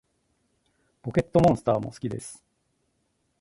ポケットモンスターも好きです